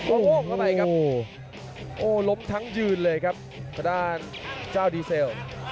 โอ้โหล้มทั้งยืนเลยครับข้างด้านเจ้าดีเซล